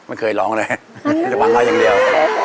ไม่เคยร้องเลยแต่ฟังเขาอย่างเดียว